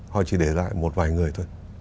họ chỉ để lại một vài người thôi